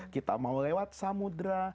kita mau lewat samudera